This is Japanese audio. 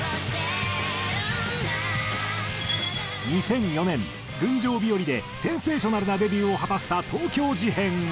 ２００４年『群青日和』でセンセーショナルなデビューを果たした東京事変は。